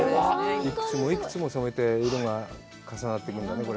幾つも幾つも染めて色が重なっていくんだね。